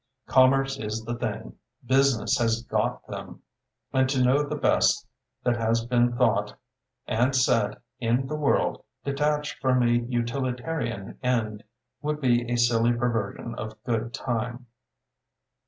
Ck)mmerce is the thing, busi ness has "got" them, and to know the best that has been thought and said in the world, detached from a utilitarian end, would be a silly perversion of good time.